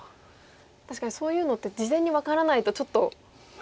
確かにそういうのって事前に分からないとちょっと不安になりますよね。